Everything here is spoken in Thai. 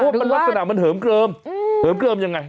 ค่ะหรือว่าว่ามันลักษณะมันเหิมเกิมเหิมเกิมยังไง